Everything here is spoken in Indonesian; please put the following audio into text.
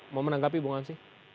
mau menanggapi bung hansi